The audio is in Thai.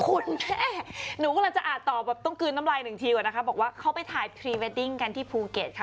คุณแม่หนูกำลังจะอ่านต่อแบบต้องกลืนน้ำลายหนึ่งทีก่อนนะคะบอกว่าเขาไปถ่ายพรีเวดดิ้งกันที่ภูเก็ตค่ะ